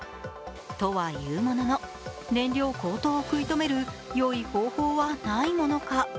とはいうものの、燃料高騰を食い止めるよい方法はないものか。